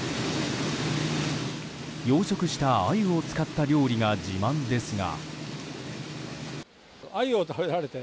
養殖したアユを使った料理が自慢ですが。